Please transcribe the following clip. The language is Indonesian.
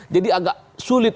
jadi agak sulit